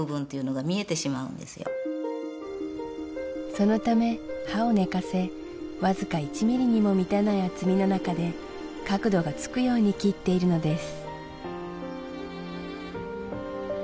そのため刃を寝かせわずか１ミリにも満たない厚みの中で角度がつくように切っているのです